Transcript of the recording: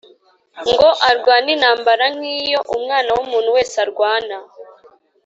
ngo arwane intambara nk’iyo umwana w’umuntu wese arwana